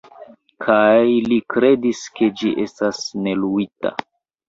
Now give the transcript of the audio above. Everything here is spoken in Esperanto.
Kaj li kredis, ke ĝi estas neluita.